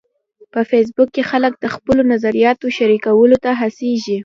په فېسبوک کې خلک د خپلو نظریاتو شریکولو ته هڅیږي.